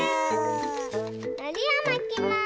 のりをまきます。